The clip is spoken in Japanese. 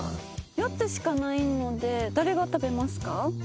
４つしかないので誰が食べますか？